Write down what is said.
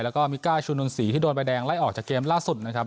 แล้วก็มิก้าชูนนศรีที่โดนใบแดงไล่ออกจากเกมล่าสุดนะครับ